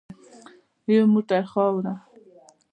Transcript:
یو موټ خاوره .